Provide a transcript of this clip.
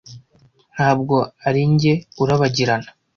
ntabwo arinjye urabagirana